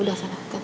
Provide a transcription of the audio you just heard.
udah sana kati baju